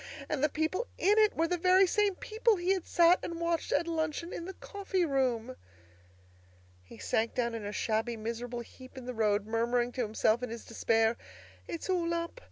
And the people in it were the very same people he had sat and watched at luncheon in the coffee room! He sank down in a shabby, miserable heap in the road, murmuring to himself in his despair, "It's all up!